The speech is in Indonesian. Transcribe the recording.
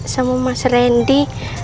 sama mas randy